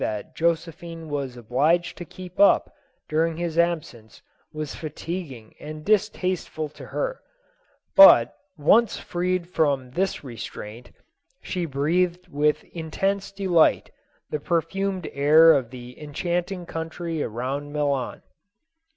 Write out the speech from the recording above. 241 that Josephine was obliged to keep up during his ab sence, was fatiguing and distasteful to her, but, once freed from this restraint, she breathed with intense de light the perfumed air of the enchanting country around Milan.